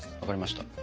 分かりました。